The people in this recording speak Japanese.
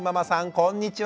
こんにちは！